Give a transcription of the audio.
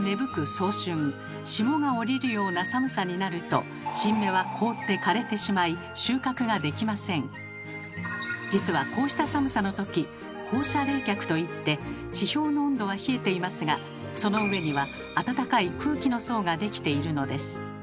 早春霜が降りるような寒さになると新芽は凍って枯れてしまい実はこうした寒さの時「放射冷却」と言って地表の温度は冷えていますがその上には暖かい空気の層が出来ているのです。